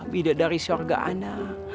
bidat dari syurga ana